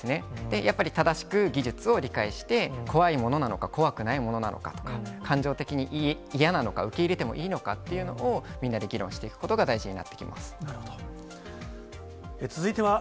やっぱり正しく技術を理解して、怖いものなのか、怖くないものなのかとか、感情的に嫌なのか、受け入れてもいいのかというのをみんなで議論していなるほど。